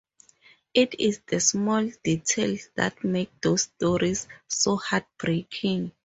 It is the small details that make these stories so heartbreaking.